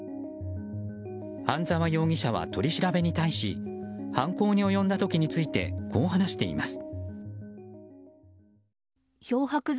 半澤容疑者は取り調べに対し犯行に及んだ時についてこう話しています。